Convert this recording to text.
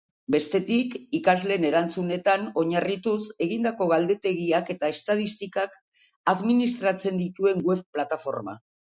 Bestetik, ikasleen erantzunetan oinarrituz egindako galdetegiak eta estatistikak administratzen dituen web plataforma.